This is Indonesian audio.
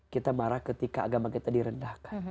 kita marah ketika agama kita direndahkan